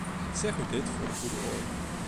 Ik zeg u dit voor de goede orde.